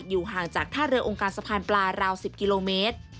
ห่างจากท่าเรือองค์การสะพานปลาราว๑๐กิโลเมตร